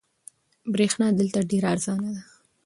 برېښنا دلته ډېره ارزانه ده.